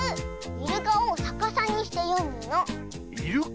イルカをさかさにしてよむ。